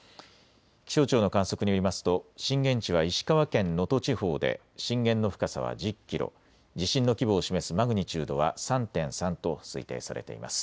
気象庁の観測によりますと震源地は石川県能登地方で震源の深さは１０キロ、地震の規模を示すマグニチュードは３．３と推定されています。